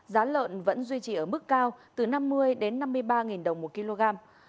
giá lợn vẫn duy trì ở mức cao từ năm mươi đến năm mươi ba đồng một kg